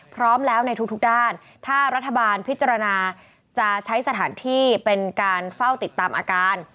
พร้อมแล้วในทุกด้านถ้ารัฐบาลพิจารณาจะใช้สถานที่เป็นการเฝ้าติดตามอาการ